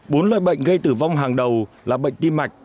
bốn lợi bệnh gây tử vong hàng đầu là bệnh tim mạch